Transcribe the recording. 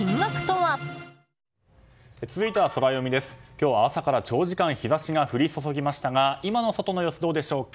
今日は朝から長時間日差しが降り注ぎましたが今の外の様子はどうでしょうか。